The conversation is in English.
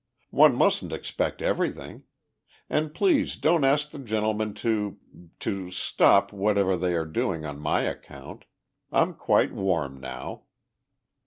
One mustn't expect everything. And please don't ask the gentlemen to ... to stop whatever they are doing on my account. I'm quite warm now."